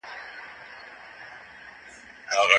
باطل تل د حق د بدنامولو کوښښ کوی.